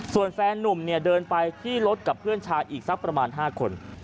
ส่วนแฟนนุ่มเนี่ยเดินไปที่รถกับเพื่อนชายอีกสักประมาณ๕คน